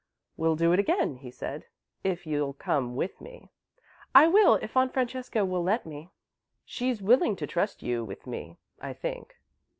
"We'll do it again," he said, "if you'll come with me." "I will, if Aunt Francesca will let me." "She's willing to trust you with me, I think.